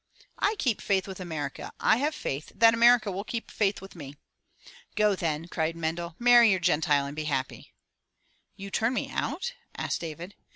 "I keep faith with America. I have faith that America will keep faith with me." " Go then," cried Mendel. " Marry your Gentile and be happy !" "You turn me out?" asked David.